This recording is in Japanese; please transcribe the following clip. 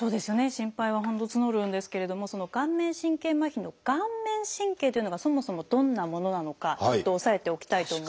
心配は本当募るんですけれども顔面神経麻痺の「顔面神経」というのがそもそもどんなものなのかちょっと押さえておきたいと思います。